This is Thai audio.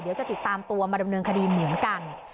เดี๋ยวจะติดตามตัวมาดำเนินคดีเหมือนกัน